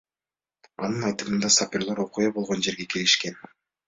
Анын айтымында, сапёрлор окуя болгон жерге келишкен.